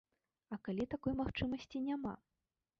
А калі такой магчымасці няма?